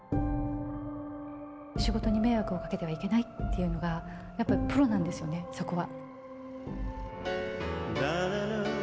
仕事に迷惑を掛けたらいけないっていうのが、やっぱプロなんですよね、そこは。